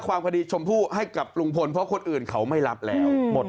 ความคดีชมพู่ให้กับลุงพลเพราะคนอื่นเขาไม่รับแล้วหมด